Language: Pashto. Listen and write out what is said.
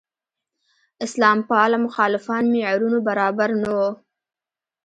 اسلام پاله مخالفان معیارونو برابر نه وو.